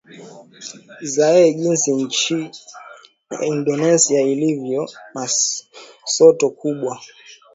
zea jinsi nchi ya indonesia ilivyo na soto kubwa